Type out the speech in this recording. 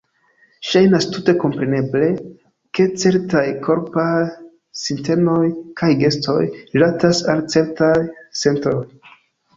Ŝajnas tute kompreneble, ke certaj korpaj sintenoj kaj gestoj "rilatas" al certaj sentoj.